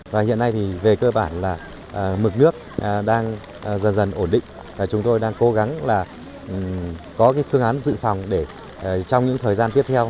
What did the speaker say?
và hiện nay về cơ bản là mực nước đang dần dần ổn định chúng tôi đang cố gắng có phương án dự phòng để trong những thời gian tiếp theo